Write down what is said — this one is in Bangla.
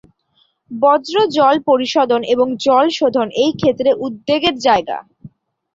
বর্জ্য জল পরিশোধন এবং জল শোধন এই ক্ষেত্রে উদ্বেগের যায়গা।